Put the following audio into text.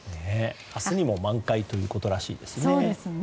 明日にも満開ということらしいですね。